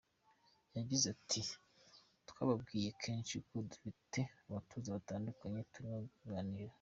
Yagize ati “Twababwiye kenshi ko dufite abatoza batandukanye turimo kuganira.